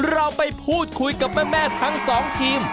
เราไปพูดคุยกับแม่ทั้งสองทีม